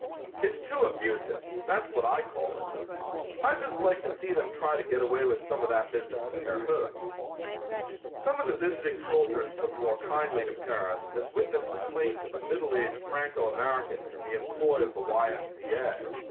It's too effusive, that's what I call it. I'd just like to see them try to get away with some of that business in Terre Haute." Some of the visiting soldiers took more kindly to Paris as witness the plaint of a middle aged Franco American in the employ of the Y. M. C. A.